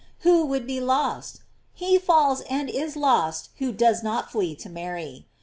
Who would be lost ? He falls and is lost who does not flee to Mary.